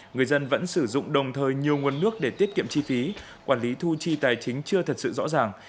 người dân vẫn sử dụng đồng thời nhiều nguồn nước để tiết kiệm chi phí quản lý thu chi tài chính chưa thật sự rõ ràng